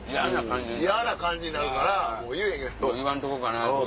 嫌な感じになるから言わんとこうかな？とか。